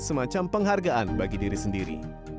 semacam penghargaan bagi diri sendiri